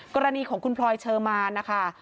กรณีของคุณพลอยเชอร์มานนะคะ